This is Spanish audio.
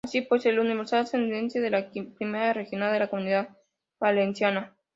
Así pues, el Universidad ascendía a la Primera Regional de la Comunidad Valenciana.